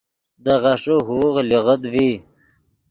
دے غیݰے ہوغ لیغت ڤی